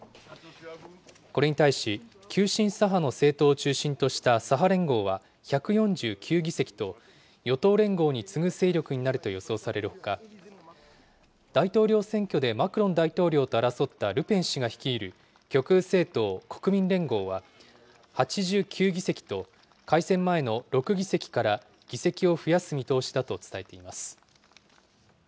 これに対し、急進左派の政党を中心とした左派連合は１４９議席と、与党連合に次ぐ勢力になると予想されるほか、大統領選挙でマクロン大統領と争ったルペン氏が率いる極右政党国民連合は、８９議席と、改選前の６議席から議席を増やす見通しだと伝えています。